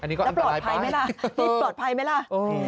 อันนี้ก็อันตรายไปแล้วปลอดภัยไหมล่ะ